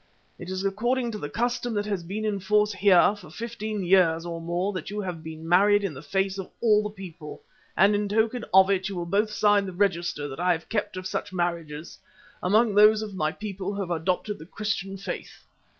It is according to the custom that has been in force here for fifteen years or more that you have been married in the face of all the people, and in token of it you will both sign the register that I have kept of such marriages, among those of my people who have adopted the Christian Faith.